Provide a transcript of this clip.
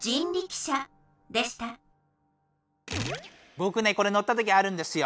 ぼくねこれ乗ったときあるんですよ。